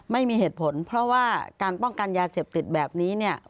ไม่มีเหตุผลเพราะว่าการป้องกันยาเสพติดแบบนี้เนี่ย